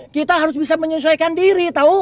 kita harus bisa menyesuaikan diri